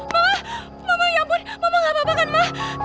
mama mama ya ampun mama gak apa apa kan ma